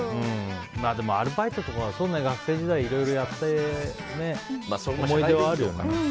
でもアルバイトとかはそうね学生時代、いろいろやってね思い出はあるよね。